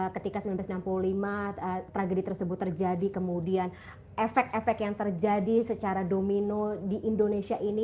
ketika seribu sembilan ratus enam puluh lima tragedi tersebut terjadi kemudian efek efek yang terjadi secara domino di indonesia ini